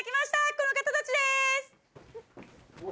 この方たちです！